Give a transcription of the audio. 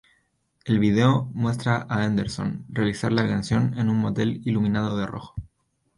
El video muestra a Henderson realizar la canción en un motel iluminado de rojo.